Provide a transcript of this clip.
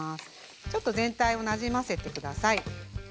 ちょっと全体をなじませて下さい。